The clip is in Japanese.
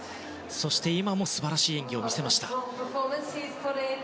そして、今も素晴らしい演技を見せました。